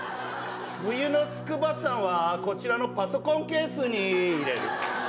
冬の筑波山はこちらのパソコンケースに入れる。